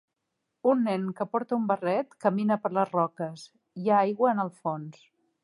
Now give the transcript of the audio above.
Un nen que porta un barret camina per les roques, hi ha aigua en el fons.